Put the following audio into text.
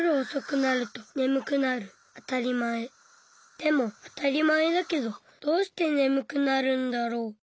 でもあたりまえだけどどうしてねむくなるんだろう？